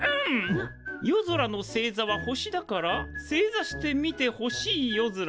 夜空の星座は星だから正座して見て星いよずら。